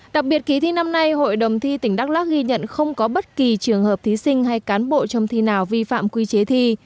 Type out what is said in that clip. đặc biệt kỳ thi năm nay hội đồng thi tỉnh đắk lắc ghi nhận không có bất kỳ trường hợp thí sinh hay cán bộ chấm thi nào vi phạm quy chế thi